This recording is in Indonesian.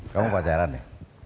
kamu pacaran ya